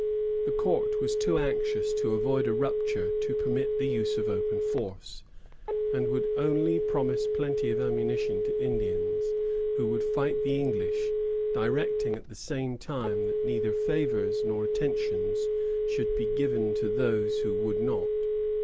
The court was too anxious to avoid a rupture to permit the use of open force, and would only promise plenty of ammunition to Indians who would fight the English, directing at the same time that neither favors nor attentions should be given to those who would not.